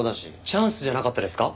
チャンスじゃなかったですか？